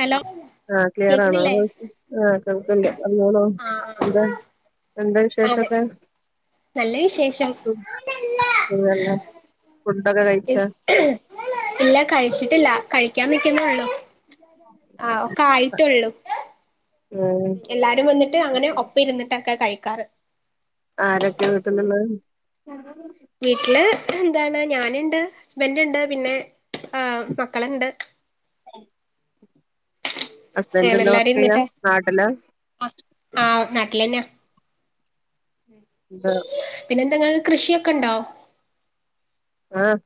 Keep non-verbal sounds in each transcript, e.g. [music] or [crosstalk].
Hello ആഹ് clear ആണോ കേക്കുന്നില്ലേ വോയിസ്‌ ആഹ് കേക്ക്ണ്ട് പറഞ്ഞോളൂ ആഹ് എന്താ എന്താ ആഹ് അതെ വിശേഷൊക്കെ നല്ല വിശേഷം സുഖല്ലേ ഫുഡൊക്കെ കഴിച്ചാ ഇല്ല കഴിച്ചിട്ടില്ല കഴിക്കാൻ നിൽക്കുന്നു ള്ളു ആഹ് ഒക്കെ ആയിട്ടുള്ളൂ ഏഹ് എല്ലാരും വന്നിട്ട് അങ്ങനെ ഒപ്പം ഇരുന്നിട്ടൊക്കെ കഴിക്കാറ് ആരൊക്കെ വീട്ടിലുള്ളെ [inaudible] വീട്ടില് എന്താണ് ഞാനുണ്ട് ഹസ്ബൻഡ് ഉണ്ട് പിന്നെ ആ മക്കളുണ്ട് ഏഹ് ഹസ്ബൻഡ്ന്താ വർക്ക് ചെയ്യ നാട്ടിലാ അഹ് ആഹ് നാട്ടിലന്നെയാ ബ പിന്നെ എന്തെങ്കി കൃഷിയൊക്കെ ഉണ്ടോ? ആഹ്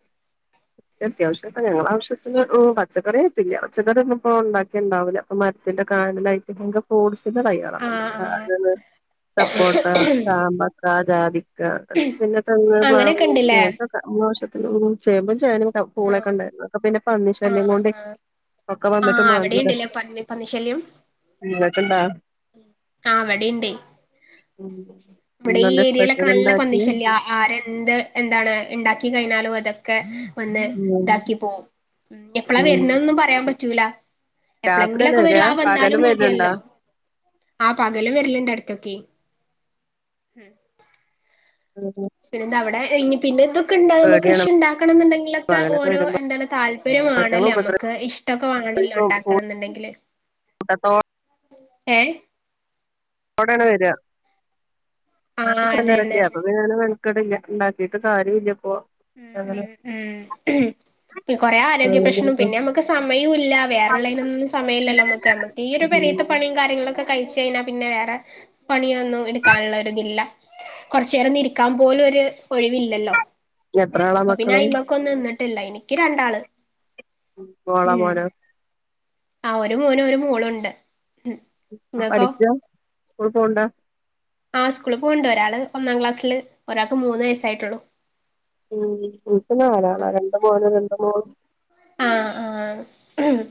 അത്യാവശ്യംഒക്കെ ഞങ്ങളുടെ ആവശ്യത്തിന് ഉം പച്ചക്കറിയായിട്ടില്ല പച്ചക്കറിന്നുപ്പൊ ഉണ്ടാക്കിയാൽ ഉണ്ടാവില്ല മരത്തിന്റെ കാനലായിട്ട് ഫ്രൂട്സിന്റെ തൈകളൊക്കെണ്ട് ആഹ് ആഹ് [unintelligible] സ പ്പോട്ട ചാമ്പക്ക ജാതിക്ക പിന്നെ തെങ് പ്ലാവ് അങ്ങനെയൊക്കെ മൂച്ചി ഉണ്ടല്ലേ അങ്ങൻതൊക്കെ മോശത്തിന് ഉം ചേമ്പും ചേനിം ആഹ് പൂളൊക്കെ ഉണ്ടായിരുന്നു ഒക്ക പിന്നെ പന്നി ശല്യം ആഹ് കൊണ്ടേ ആഹ് ഒക്കെ വന്നിട്ട് ആഹ് മാന്തിതാ അവിടെയുണ്ടല്ലേ പന്നി പന്നിശല്യം ഇങ്ങക്കിണ്ട? ആഹ് ഇവടിണ്ടേ ഇവിടെ ഈ ഇന്നെന്താ ഏരിയെലെക്ക സ്പെഷ്യൽ നല്ല ഉണ്ടാക്കിയെ പന്നിശല്യ ആരെന്ത് എന്താണ് ഇണ്ടാക്കി കഴിഞ്ഞാലും അത ക്കെ ഒന്ന് ഉം ഇതാക്കി പോവും എപ്പളാ ഉം വരുണെന്നോന്നും പറയാൻ പറ്റൂല രാത്രിയല്ലേ എപ്പളോങ്കിലൊക്കെ വര വരാ ആ പകലും വന്നാലും വരലുണ്ടോ മതിയല്ലോ ആഹ് പകലും വരല്ണ്ട് അടുത്തൊക്കെ [unintelligible] പിന്നെ എന്തവിടെ ഇനി പിന്നെ ഇതൊക്കെ ഇണ്ടാവുമ്പോ പേടിയാണ് കൃഷി ഇണ്ടാക്കണം എന്നുണ്ടെങ്കിലൊക്കെ പകലൊക്കെ ഓരോ വരുമ്പോ എന്താണ് താല് ഇവരും മറ്റങ്ങൾ വാണല്ലോ ഉപദ്രവിക്കും നമുക്ക് ഇഷ്ടൊക്കെ വാണലോ ഇണ്ടാക്കണം എന്നുണ്ടെങ്കില് [unintelligible] ഏഹ്? അവടണ് വര്കാ ആ [unintelligible] പിന്നെ അതന്നെ ഞാന് മെനക്കേടില്ല ഇണ്ടാക്കിട്ട് കാര്യ ഇല്ല ഇപ്പോ അങ്ങനെ ഉം കൊറെ ആരോഗ്യ പ്രശ്നോം പിന്നെ നമുക്ക് സമയവും ഇല്ല വേറെ ഇള്ളതിനൊന്നും സമയവില്ലല്ലോ നമുക്ക് നമ്മക്ക് ഈയൊരു പെരെത്ത ഉം പണിയും കാര്യങ്ങളൊക്കെ കഴിച്ച് കഴിഞ്ഞാ പിന്നെ വേറെ പണിയൊന്നും എടുക്കാനുള്ള ഒരിതില്ല കൊറച്ചു നേരം ഒന്ന് ഇരിക്കാൻ പോലും ഒര് ഒഴിവില്ലല്ലോ എത്രയാളാ അപ്പ പിന്നെ മക്കള് അയിമക്ക് ഒന്നും നിന്നിട്ടില്ല എനിക്ക് രണ്ടാള് മോളാ, മോനാ? ആഹ് ഒരു മോനും ഒരു മോളുവോണ്ട് ഉം നിങ്ങക്കോ പഠിക്കാ സ്കൂള് പോണ്ടാ? ആ സ്ക്കൂളി പോകണ്ട് ഒരാള് ഒന്നാം ക്ലാസ്സില് ഒരാക്ക് മൂന്ന് വയസ്സായിട്ടുള്ളു ഉം എനിക്ക് നാലള്ളാ രണ്ട് മോനും രണ്ട് മോളും ആഹ് ആഹ്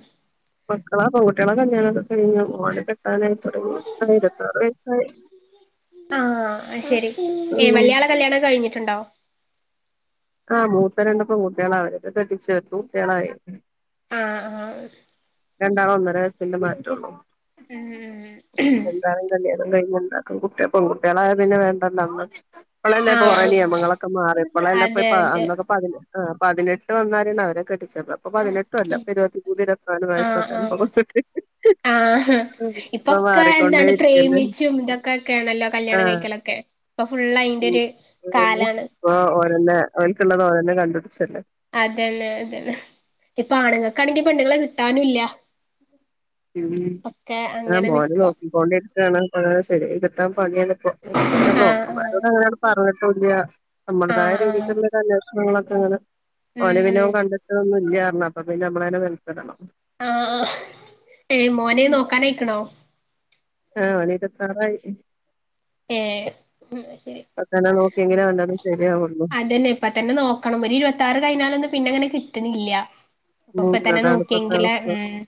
മക്കളാ പെൺകുട്ടികളെ കല്യാണൊക്കെകഴിഞ്ഞു ഓനെ കെട്ടാന തൊടങ്ങി ഇരുവത്തറ് വയസ്സായി ആഹ് ശെരി ഏഹ് ഉം വല്ല്യളെ കല്യാണം കഴിഞ്ഞിട്ടുണ്ടോ ആഹ് മൂത്ത രണ്ട് പെൺകുട്ടികളാ അവരെക്കെ കെട്ടിച്ചു വിട്ടു കുട്ടികളായി ആഹ് ആഹ് രണ്ടാളും ഒന്നര വയസിന്റെ മറ്റൊളു ഉം [unintelligible] ഉം കല്യാണം കഴിഞ്ഞുണ്ടാക്കും കുട്ടിയെ പെൺകുട്ടികളായ പിന്നെ വേണ്ടാ [unintelligible] ഇപ്പളല്ലേ ആഹ് കൊറേ ആഹ് നിയമങ്ങളക്കെ മാറി ഇപ്പളല്ല അതെ ഇപ്പ അതെ അന്നക്കെ പതിന പതിനെട്ട് വന്ന [unintelligible] അവരെ കെട്ടിച്ചെക്കാ ഇപ്പ പതിനെട്ടും അല്ല ഇരുപത്തിമൂന്ന് ഇരു ആഹ് വയസൊക്കെയാണ് ആഹ് ആഹ് ഇപ്പൊക്കെ എന്താണ് ഇരിക്കല്ലേ പ്രേമിച്ചും ഇതൊക്കെക്ക ആണല്ലോ കല്യാണം ആഹ് കഴിക്കല് ഒക്കെ ഇപ്പൊ ഫുൾ അയിന്റെ ഒരു കാലാണ് ഓഹ് ഓരോന്നെ ഓല്ക്കുള്ളത് ഓരന്നെ കണ്ടുപിടിച്ചല്ല അതന്നെ അതന്നെ ഇപ്പ ആണുങ്ങക്കാണെങ്കി പെണ്ണുങ്ങളെ കിട്ടാനും ഇല്ലാ അങ്ങനെ [unintelligible] നിക്ക നോക്കി പൊക്കൊണ്ടിരിക്കാണ് ശെരിയായി കിട്ടാൻ പണിയാണ് ഇപ്പോ പിന്നെ അങ്ങനെ ബ്രോക്കർ ആഹ് മ്മാരോട് അങ്ങനെ പറഞ്ഞിട്ട് വല്യ ആഹ് നമ്മളതായ ആഹ് ആഹ് രീതിക്ക് അന്വേഷണങ്ങളൊക്കെ അങ്ങനെ ഉം ഓന് പിന്നെ ഉം ഓന് കണ്ടിച്ചതൊന്നും ഇല്ലാ പറഞ്ഞ് അപ്പ പിന്ന നമ്മളനെ [unintelligible] ആഹ് ആഹ് ഏയ് മോനെ നോക്കാനയിക്കണോ ആഹ് ഓന് ഇരുവത്താറായി ഏഹ് എന്നാ ശെരി അ ഒക്കെന്നെ നോക്കി എങ്ങനാണ്ടത് ശരിയാവൊള്ളൂ അതന്നെ ഇപ്പൊ തന്നെ നോക്കണം. ഒരു ഇരുവത്താറ് കഴിഞ്ഞാലൊന്നും പിന്നെ അങ്ങനെ കിട്ട്ണില്ല്യ. അപ്പൊ ഉം പ്പതന്നെ അതാണ് ഇപ്പത്തെ നോക്കിയെങ്കിലെ അവസ്ഥ ഉം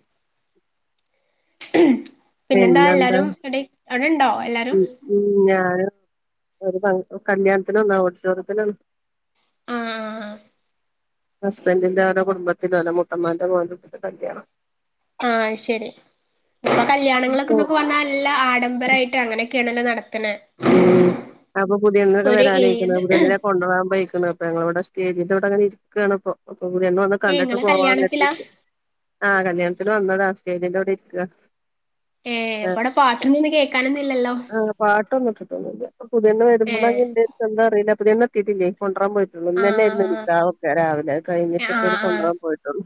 പിന്നെന്താ എല്ലാരും എവിടെ അവിടെണ്ടോ എല്ലാരും? ഉം ഉം, ഞാന് ഒരു ഫങ്ങ് ഒരു കല്ല്യാണത്തിന് വന്നാ ഓഡിറ്റോറിയത്തിലാണ്. ആഹ്, ആഹ്, ആഹ് ഹസ്ബൻഡറിന്റെ ആരോ കുടുംബത്തിന്റെ ഓലെ മുത്തമ്മാന്റെ മോൻ്റെ കുട്ടിൻ്റെ കല്ല്യാണാ. ആഹ് ശരി ഇപ്പൊ കല്ല്യാണങ്ങളൊക്കെന്നൊക്കെ വന്നാൽ നല്ല ആഡംബരായിട്ട് അങ്ങനെയൊക്കെയാണല്ലോ നടത്ത്ണെ ഉം, അപ്പൊ പുതിയണ്ണ് ഒക്കെ വരാനയ്ക്ക്ണ്, ഏത് പുതിയണ്ണിനെ കൊണ്ടുവാൻ പോയ്ക്ക്ണ്. പ്പ ഞങ്ങള് വടെ സ്റ്റേജിന്റെ വടെങ്ങനെ ഇരിക്കാണ്പ്പൊ, അപ്പം പുതിയണ്ണ് വന്ന് ഏഹ് കണ്ട്ട്ട് ഇങ്ങളെ കല്യാണത്തിലാ പോവാന്നര്തിട്ട്. ആഹ്, കല്ല്യാണത്തിന് വന്നതാ സ്റ്റേജിന്റെ അവിടെ ഇരിക്കാ. ഏഹ്, വടെ പാട്ടൊന്നൊന്ന് കേക്കാനൊന്നു ഇല്ലല്ലോ? പാട്ടൊന്നുട്ട്ട്ടൊന്നുല്ല്യ. പ്പം പുത്യെണ്ണ് ഏഹ് വെരുമ്പളൊഞ്ഞി എന്തേ എന്താ അറീല. പുതിയെണ്ണെത്തിയിട്ടില്ലേ. കൊണ്ടറാൻ പോയിട്ടുള്ളൂ, ഇന്നെന്നെയ്രുന്നു ആഹ് നിക്കാഹൊക്കെ രാവിലെ ആഹ് അയ്കയ്ഞ്ഞിട്ടൊക്കൊല് ആഹ് കൊണ്ടറാൻ പോയിട്ടൊള്ളു.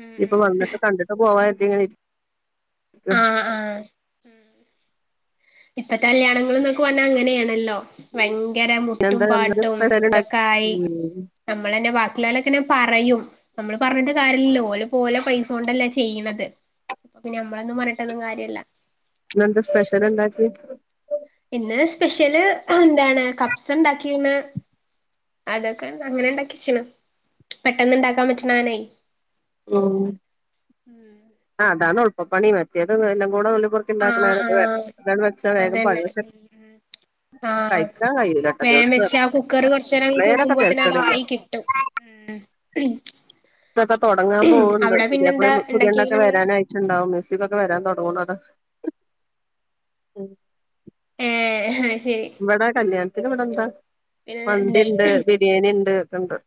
ഉം ഇപ്പൊ ഉം വന്നിട്ട് കണ്ടിട്ട് പോവായാര്ച്ചിങ്ങനെ ഇര്ക്കാ. ആഹ് ആഹ് ഇപ്പ കല്ല്യാണങ്ങള്ന്നൊക്കെ പർഞ്ഞാ അങ്ങനെയാണല്ലോ. വയങ്കര മുട്ടും പിന്നെന്താ ഇന്നലെ സ്പെഷ്യല് ഇണ്ടാ പാട്ടുംതൊക്കെ ആയി ഉം അമ്മളന്നെ വാക്കിള്ളോലൊക്കെന്നെ പറയും. അമ്മള് പറഞ്ഞിട്ട് കാര്യല്ലല്ലോ ഓല്‌പ്പോ ഓലെ പൈസ കൊണ്ടല്ലേ ചെയ്യ്ണത്. അപ്പൊ പിന്നെ ഞമ്മളൊന്നും പറഞ്ഞിട്ടൊന്നും കാര്യല്ല. ഇന്ന് എന്താ സ്പെഷ്യല്ണ്ടാക്കി ഇന്നലെ സ്പെഷ്യല് എന്താണ് കപ്സണ്ടാക്കീണ്. അതൊക്കെ അങ്ങനെണ്ടാക്കിച്ചിണ്. പെട്ടെന്ന്ണ്ടാക്കാൻ പറ്റ്ണആണെയ് വൗ ആഹ് അതാന്ന് ഉൾപ്പപ്പണി, മാറ്റേത് എല്ലംകൂടെ നുള്ളിപൊർ ക്കിണ്ടാക്ക്ണ ആഹ് കാരണം ത് ആഹ് ഇതാണ്ട് വെച്ച വേഗം പണി അതന്നെ പക്ഷെ ആഹ്, കഴിക്കാൻ കഴിയൂലട്ടോ വേം ദിവസം വെച്ചാ ആ കുക്കറ് കൊർച്ചേരം എപ്പളേലൊക്കെ കൂക്കുമ്പോത് ന് അത് തെരക്കടില്ല ആയി കിട്ടും. ഏഹ്, ഇതൊക്കെ തൊടങ്ങാൻ പോവ്ണ്ട് പിന്നെന്താ പുതിയാപ്ലയും പുതിയണ്ണൊക്കെ ഇണ്ടാക്കിക്ക്ണ് ഇങ്ങള് വെരാനായി ട്ട്ണ്ടാവും മ്യൂസിക് ഒക്കെ വരാൻ തൊടങ്ങുണു അതാ ഏഹ്, അയ്ശരി ഇവടെ കല്ല്യാൺത്തിന് വടെന്താ? പിന്നെ എന്താ മന്തിണ്ട്, ബിരിയാണിണ്ട് ഒക്കെണ്ട്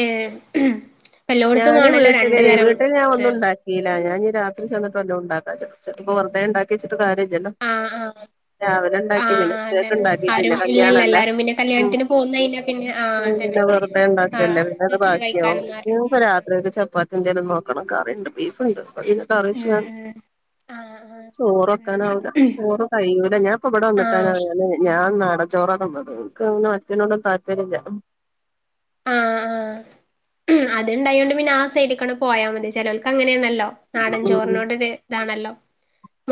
ഏഹ് എല്ലോട്ത്തും ഞാന് ആണല്ലോ വീട്ട്ല് രണ്ടു തരം വീട്ടില് ഞാൻ ഇത് ഒന്നുണ്ടാ ക്കീല ഞാൻഞ്ഞി രാത്രി ചെന്നിട്ട് വല്ലോണ്ടാക്കാച്ച്, ഉച്ചക്ക്പ്പൊ വെറ്തെണ്ടാക്ക്യച്ചിട്ട് കാര്യല്ല്യല്ലോ. ആഹ്, ആഹ് ആഹ്, ആഹ് ഉച്ചേക്ക് അതെന്നെ ഇണ്ടാക്കി ആരും പിന്നെ ഇല്ല്യല്ലൊ കല്യാണല്ലേ എല്ലാരും പിന്നെ ഉം കല്ല്യാൺത്തിന് പോകുന്നഴിഞ്ഞാ പിന്നെ ആഹ് അതന്നെ തെണ്ടാക്കിടണ്ടേ, ആഹ് പിന്നെ അത് വീട്ടില് ബാക്കിയാവും. കഴിക്കാനും ഉം ആരും ഞ്ഞിപ്പൊരാത്രിക്കെക്ക് ചപ്പാത്തി എന്തേലും നോക്കണം കറിണ്ട് ബീഫ്ണ്ട് [unintelligible] കറിവെച്ച് ഉം [unintelligible] ഉം ആഹ് ആഹ് ചോറ് ഉം വക്കാനാവൂല ചോറ് കഴിയൂല ഞാപ്പവടെ വന്ന്ട്ടാ ആഹ് ഞാന് ഞാൻ നാട ചോറ തിന്നത് ക്ക്ന് മറ്റനോടൊന്നും താല്പര്യല്ല്യ. ആഹ്, ആഹ് അത്ണ്ടായൊണ്ട് പിന്നെ ആ സൈഡിക്കാണ് പോയാ മതി. ചെലോൽക്കങ്ങനെയാണല്ലോ. നാടൻ ഉം ചോറിനോടൊര് ഇതാണല്ലോ,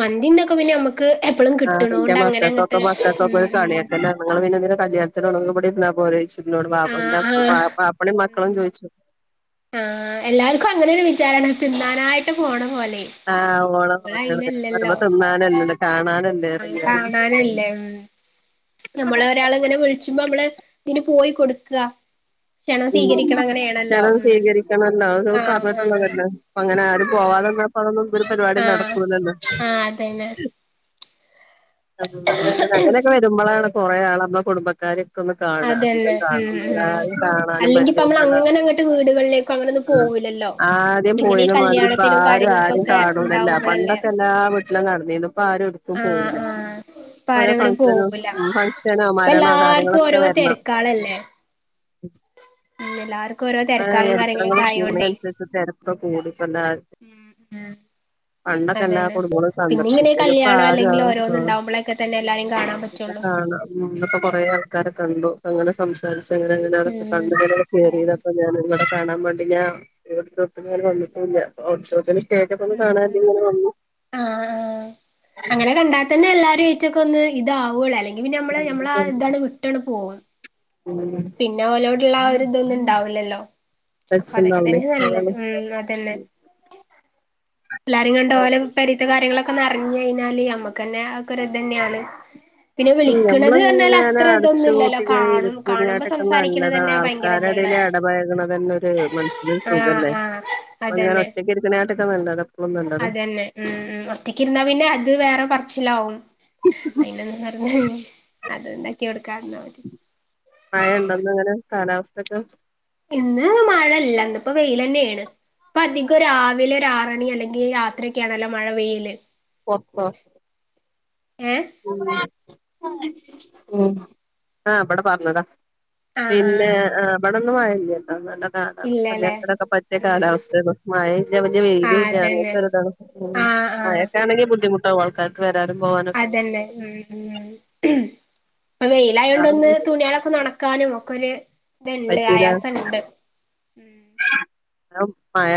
മന്തിംതൊക്കെ പിന്നെ ഞമ്മ ക്ക് എപ്പളും ആഹ് ഇന്റെ മക്കൾക്കൊക്കെ കിട്ട്ണോണ്ടങ്ങനങ്ങട്ട് ഉം, മക്കൾക്കൊക്കെ ഒരു ഉം കളിയാക്കലാണ് നിങ്ങള് പിന്നെന്തിനാ കല്ല്യാൺത്തിന് പോണത്. ങ്ങക്ക് വിടിര്ന്നാ പോരോയ്ച്ചുന്നോട് വാ ആഹ് ൻ്റെ ഹസ് ആഹ് മാ മാപ്പളും മക്കളും ചോയിച്ചു ആ എല്ലാർക്കും അങ്ങനെ ഒരു വിചാരാണ് തിന്നാ നായിട്ട് പോണ പോലെ അമ്മള് അയിനല്ലല്ലോ ഉണ്ണാനല്ലല്ലൊ കാണാന ആ കാണാനല്ലേ ഉം ഞമ്മളെ ഒരാള് ഇങ്ങനെ വിളി ച്ചുമ്പം അമ്മള് ഇതിന് പോയി കൊടുക്ക ക്ഷണം ഉം സ്വീകരിക്കണം അങ്ങനെയാണല്ലോ ക്ഷണം ഉം സ്വീകരിക്കണല്ലോ അത് നമ്മക്ക് ആഹ് ആഹ് പറഞ്ഞിട്ടുള്ളതല്ലേ അപ്പ അങ്ങനെ ആരും ഉം പോവാതന്ന [unintelligible] ഒരു പരിപാടിം ആഹ് നടക്കൂല്ലല്ലോ ആഹ് അതന്നെ [unintelligible] അങ്ങനെയൊക്കെ വരുമ്പളാണ് കൊറേ ആളമ്മളെ കുടുംബക്കാര് ഒക്കെ ഒന്ന് കാണാ അധികം അതന്നെ കാണ ഉം ഉം എല്ലാരിം കാ ണാനും അല്ലെങ്കി ഇപ്പ നമ്മള് പരിചയപ്പെടാനും അങ്ങനെ അങ്ങട്ട് വീടുകളിലേക്ക് അങ്ങനൊന്നും ആഹ് പോവൂലല്ലോ ആദ്യം ഇപ്പ ഇങ്ങനെ ഈ പോയിന മാതിരി ഇപ്പ കല്യാണത്തിനും ആരും ആരിം കാര്യങ്ങൾക്കൊക്കെ കാണൂലല്ല ഇണ്ടാവുമ്പളല്ലേ പണ്ടൊക്കെ എല്ലാ വീട്ടിലും നടന്നീന്നു ഇപ്പ ആരും എവ് ട്ക്കും ആഹ് പോവുല ആഹ് ഇപ്പ ഓരോ ആരും അങ്ങനെ ഫങ്ഷനും പോവൂല ഫംഗ്ഷനോ മരണോ കാര്യങ്ങളൊക്കെ വരണം കാളല്ലേ എല്ലാരും ആഹ് [unintelligible] അനുസരിച്ച് തെരക്ക് കൂടും ഇപ്പൊഎല്ലാ [unintelligible] എല്ലാ അതന്നെ കുടുംബങ്ങളും പിന്നെ ഇങ്ങനെ സന്ദർശിച്ചു ഇപ്പ കല്യാണോ അല്ലെങ്കിൽ ഓരോന്ന് ആരും ഇണ്ടാകുമ്പോളൊക്കെ തന്നെ എല്ലാരിം കാണാൻ പറ്റുള്ളൂ ഉം ഇന്ന് ഇപ്പൊ കൊറേ ആൾക്കാരെ കണ്ടു അപ്പ അങ്ങനെ സംസാരിച്ച് എങ്ങനെങ്ങനെ അതക്ക ഉം കണ്ടു [inaudible] ഉം കേറിയതാപ്പ ഞാന് ഇങ്ങളെ കാണാൻ വേണ്ടി ഞാൻ ഓഡിറ്റോറിയത്തിക്ക് ഇങ്ങനെ വന്നിട്ടു [unintelligible] കാണാതിങ്ങനെ വന്നു ആ ആഹ് അങ്ങനെ കണ്ടാത്തന്നെ എല്ലാരേറ്റൊക്കെ ഒന്ന് ഇതാവൊള്ളു അല്ലെങ്ക ങ്കി പിന്നെ ഞമ്മള് ഞമ്മളെ ആ ഇതാണ് വിട്ടാണ് പോവും ഉം പിന്നെ ഓലോടുള്ള ആ ഒരു ഇതൊന്നും ഇണ്ടാവില്ലല്ലോ അപ്പൊ അതൊക്കെ ടച്ചുണ്ടാവൂലേ തന്നെ നല്ലത് അതാണ് ഉം അതന്നെ. എല്ലാരിം കണ്ട് ഓലെ പെരീത്തെ കാര്യങ്ങളൊക്കെ അറിഞ്ഞു കഴിഞ്ഞാല് അമ്മക്കെന്നെ അതൊക്കെ ഒരു ഇതെന്നെയാണ്. ഞമ്മള് ഇങ്ങനെ ഇല്ലല്ലോ അടച്ചുപൂട്ടിങ്ങനെ ഇരി കാണും കാണുമ്പോ ങ്ങാട്ടൊക്കെ സംസാരിക്കണ നല്ലതാ തന്നെ ഭയങ്കര ഇതുള്ള ആൾക്കാരെടേല് എടപയക്ണതന്നെ ഒരു മനസ്സിലൊരു ആഹ് സുഖല്ലേ ആഹ് ഇവിടെങ്ങനെ അതന്നെ ഒറ്റക്ക് ഇരിക്കണക്കാട്ടിനൊക്കെ നല്ലതാ എപ്പളും നല്ലതാ അതന്നെ ഉം ഉം ഒറ്റക്കിരുന്നാ പിന്നെ അത് വേറെ പറച്ചിലാവും അയി അത്ണ്ടാക്കി കൊടുക്കാതന്നാ മതി മഴണ്ടോന്നങ്ങനെ കാലാവസ്ഥക്കെ ഇന്ന് മഴല്ല ഇന്ന്പ്പോ വെയിലെന്നേണ് ഇപ്പ അധികം രാവിലെ ഒരു ആറണി അല്ലെങ്കി രാ ത്രി യൊക്കെയണല്ലോ മഴ പെയ്യല് പൊർത്തോ ഏഹ് ഉം ആ ഇബടെ പറഞ്ഞതാ ആഹ് പിന്നെ ആഹ് ആ ഇബടെന്ന് മയല്ല്യട്ടോ നല്ല ആ ആ ഇല്ലല്ലേ കല്യാണത്തിനൊക്കെ പറ്റിയ ഉം കാലാവസ്ഥേണ് മഴ ഇല്ല വല്ല്യ വെയിലും ആഹ് ഇല്ല അതന്നെ അങ്ങനത്തെ ഒരുതാണ്. ഉം ആഹ് ആഹ് ഉം മയൊക്കൊണെങ്കി ബുദ്ധിമു ട്ടാവും ആൾക്കാർക്ക് വരാനും പോവാനും അതന്നെ ഉം ഉം ഇപ്പൊ വെയിലായോണ്ട് ഒന്ന് തുണിയാളൊക്കെ ഒണ ക്കാനും ഒക്കൊരു ഇത്ണ്ട് പറ്റൂല ആയാസണ്ട് ഉം മഴ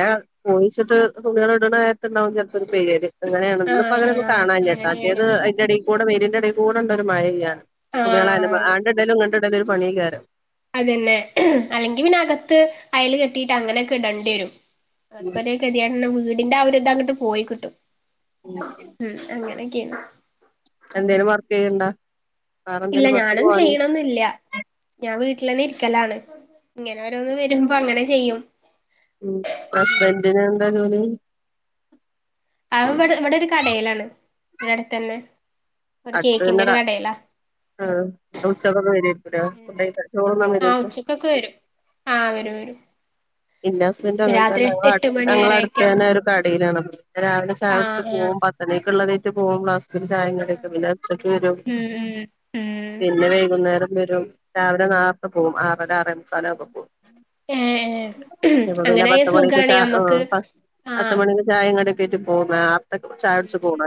പോയിച്ചിട്ട് തുണിയാള് ഇടണനേ ര്ത്ത്ണ്ടാവും ചെൽപ്പ ഒരു പെയ്യല് അങ്ങനേണ് ഇന്ന്പ്പ ആഹ് അങ്ങനെയൊന്നും ആഹ് കാണാൻ ഇല്ലട്ടോ അങ്ങനെയാണ് മറ്റേത് ഉം അയിന്റെ എടീ കൂടെ വെയിലിന്റെടീ കൂടെണ്ടൊരു മഴയ്യെയാന് തുണിയാളായാലും ആഹ് അങ്ങട്ട് ഇടലും ഇങ്ങട്ടിടലും ഒരു പണിയയ്കാരം. അതന്നെ അല്ലെങ്കി പിന്നെ അകത്ത് അയല് കെട്ടീട്ട് അങ്ങനെയൊക്കെ ഇടെണ്ടി വരും ഉം അപ്പൊ കെദ്യേടെന്നെ വീടിന്റാ ആ ഒര്തങ്ങട്ട് പോയി കിട്ടും ഉം [unintelligible] ഉം അങ്ങനെയൊക്കെയാണ് എന്തേലും വർക്കീയ്യ്ണ്ടാ ഇല്ല ഞാനും ചെയ്യണൊന്നില്ല ഞാൻ വീട്ടിലെന്നെ ഇരിക്കലാണ് ഇങ്ങനെ ഓരോന്ന് വരുമ്പോ അങ്ങനെ ചെയ്യും. ഉം ഉം ഹസ്ബന്റ്നെന്താ ജോലി അവ്വ്ടെ വ്ടൊരു കടേലാണ് വ്ടെത്തന്നെ ഒരു അടുത്ത് കേക്കിന്റെ ഒരു തന്നെ കടേലാ ആഹ് ഉച്ചയോടൂടെ വെര്വാരിക്കല്ലേ ഫുഡ്‌ കഴിക്കാൻ ചോറുണ്ണാൻ വെര്വാരിക്കും ഉച്ചക്കക്കെ വെരും ആഹ് വെരും വെരും ഇന്റ ഹസ്ബന്റും അങ്ങൻതന്നാ എട്ട് ഞങ്ങളട് മണി വരെയൊക്കെ ഞങ്ങളടുത്തന്നെ ഒരു കടയിലാണ് രാവിലെ ചായുടിച്ച് ആഹ് ആഹ് പോവും പത്തെണിക്ക്ള്ളതായ്ട്ട് പോകും ഫ്ലാസ്ക്കിൽ ചായേം കടി എന്ന്ട്ട് പിന്നെ ഉച്ചക്ക് വെരും ഉം ഉം ഉം പിന്നെ വൈകുന്നേരം വെരും രാവിലെ നേർത്തെ പോവും ആറര ആറേ മുക്കാലാവുംമ്പൊ പോകും ഏ ഏ ഇപ്പൊ പിന്നെ അങ്ങനായ പത്ത്മണിക്കിട്ട സുഖാണ് ഉം ഞമ്മക്ക് പത്ത് ആഹ് പത്ത്മണിന്റെ ച ചായേം കടിക്കായ്ട്ട് പോകാം ഉം ഉം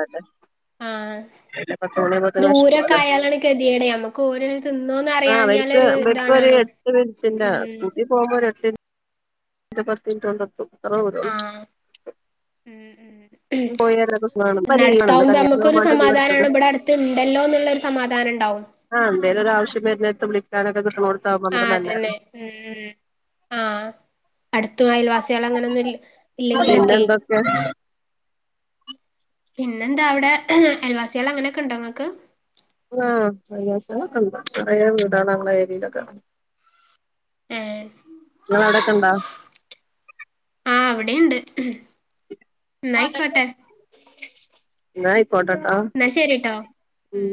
ആഹ് പിന്നെ പത്ത് മണിയാവുമ്പോത്തിന് ദൂരൊക്കെ വെശക്കുവല്ലോ ആയാലാണ് കെത്യേടെ നമ്മക്കോര് തിന്നോന്നറിയാഞ്ഞാലൊരു ഇതാണാണു ക്ക് ബടട്ത്തന്നാ സ്കൂട്ടി പോകുമ്പോ ഒരെറ്റ ഒര് പത്തിൻറ്റൊണ്ടെത്തും അത്ര ദൂരൊള്ളൂ ആഹ് ഉം ഉം പോയരൊക്കെ സുഖാണ് ഇപ്പ ലീവാണ് പിന്നടുത്താവുമ്പോ കല്യാണം ഞമ്മക്കൊരു ആവാണ്ട് ലീവ് എടുത്തത് സമാധാനാണ് ബടെ അടുത്ത്ണ്ടല്ലോന്നുള്ളൊരു സമാധാനണ്ടാവും ആഹ് എന്തേലും ഒരു ആവശ്യം വരുന്നേരത്ത് വിളിക്കാനൊക്കെ കിട്ടണോട്ത്താവുമ്പോ നമ്മക്ക് ആഹ് നല്ലാരുന്നു അതന്നെ ഉം ഉം ആഹ് അടുത്തും അയൽവാസികളങ്ങനൊന്നും ഇല്ലെ ഇല്ലെങ്കിലൊക്കെ [unintelligible] പിന്നെന്താ അവിടെ അയൽവാസികളങ്ങനെക്കെണ്ടോ ഇങ്ങക്ക് ആഹ് അയൽവാസികളൊക്കെണ്ട് കൊറേ വീടാണ് നമ്മളേര്യേലൊക്കെ ഏഹ് ഇങ്ങളവിടെക്കെണ്ടോ ആഹ് അവിടീണ്ട് ന്നാ ആയിക്കോട്ടേട്ടൊ എന്നാ ശരിട്ടോ ഉം